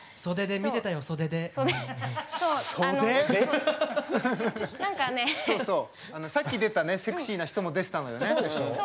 そうそう、さっき出てたセクシーな人も出てたんだよね。